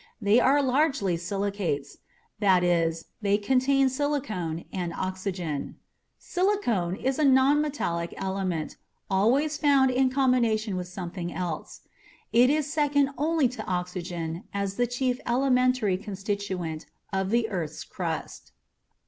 They are largely silicates that is, they contain silicon and oxygen. (Silicon is a nonmetallic element, always found in combination with something else. It is second only to oxygen as the chief elementary constituent of the earth's crust.)